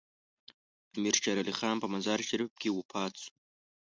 امیر شیر علي خان په مزار شریف کې وفات شو.